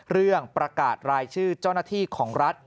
เรื่องประกาศรายชื่อเจ้าหน้าที่ของรัฐ